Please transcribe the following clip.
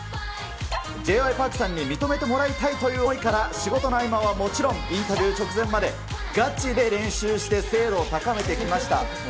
Ｊ．Ｙ．Ｐａｒｋさんに認めてもらいたいという思いから、仕事の合間はもちろん、インタビュー直前まで、ガチで練習して精度を高めてきました。